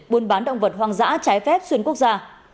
buôn bán động vật hoang dã trái phép xuyên quốc gia